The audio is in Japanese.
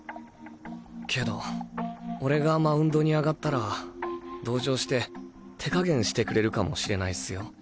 けど俺がマウンドに上がったら同情して手加減してくれるかも知れないスよ